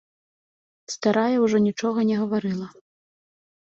Старая ўжо нічога не гаварыла.